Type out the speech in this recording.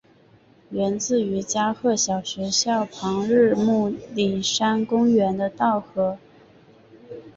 源自于加贺小学校旁日暮里山公园的稻荷。